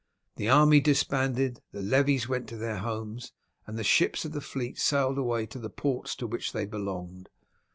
The army disbanded, the levies went to their homes, and the ships of the fleet sailed away to the ports to which they belonged.